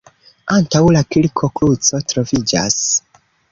Antaŭ la kirko kruco troviĝas.